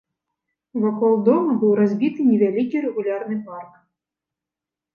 Вакол дома быў разбіты невялікі рэгулярны парк.